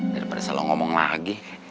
daripada salah ngomong lagi